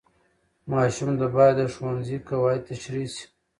ماشوم ته باید د ښوونځي قواعد تشریح شي.